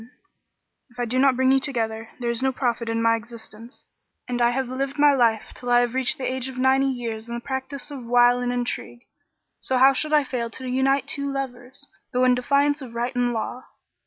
[FN#37] If I do not bring you together, there is no profit in my existence; and I have lived my life till I have reached the age of ninety years in the practice of wile and intrigue; so how should I fail to unite two lovers, though in defiance of right and law?"